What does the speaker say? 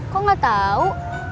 kok gak tau